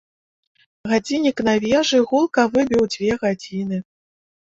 Гадзіннік на вежы гулка выбіў дзве гадзіны.